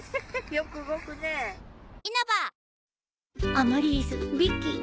アマリリスビッキー